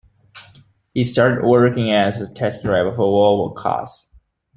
He started working as a test driver for Volvo Cars.